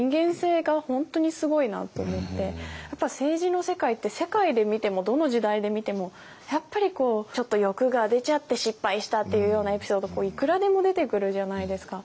やっぱり政治の世界って世界で見てもどの時代で見てもやっぱりこうちょっと欲が出ちゃって失敗したっていうようなエピソードいくらでも出てくるじゃないですか。